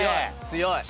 強い。